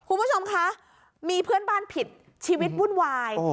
คุณผู้ชมคะมีเพื่อนบ้านผิดชีวิตวุ่นวาย